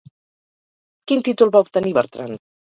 Quin títol va obtenir Bertran?